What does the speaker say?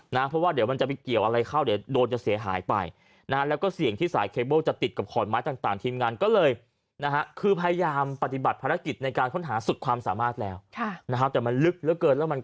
นะเพราะว่าเดี๋ยวมันก็จะไปเกี่ยวอะไรเข้าเดี๋ยวโดนจะเสียหายไป